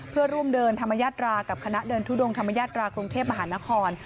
เพื่อร่วมเดินธรรมญาตรากับคณะเดินทุดงธรรมญาตรากรุงเทพมหานคร